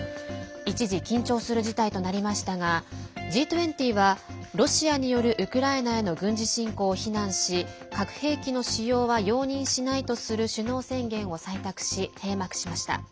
一時、緊張する事態となりましたが、Ｇ２０はロシアによるウクライナへの軍事侵攻を非難し核兵器の使用は容認しないとする首脳宣言を採択し閉幕しました。